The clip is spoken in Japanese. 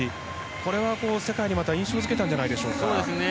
これは世界にまた印象付けたんじゃないでしょうか。